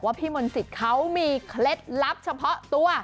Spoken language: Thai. พี่มนต์สิทธิ์เขามีเคล็ดลับเฉพาะตัว